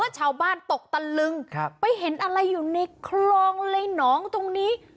ชาวบ้านตกตะลึงไปเห็นอะไรอยู่ในคลองในหนองตรงนี้